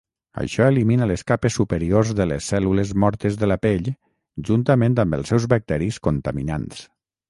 Això elimina les capes superiors de les cèl·lules mortes de la pell juntament amb els seus bacteris contaminants.